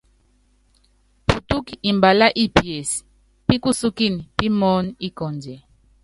Putúk mbalá i pies pi kusúkin pimɔɔn ikɔndiɛ.